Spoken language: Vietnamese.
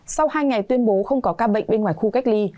sau hai ngày tuyên bố không có ca bệnh bên ngoài khu cách ly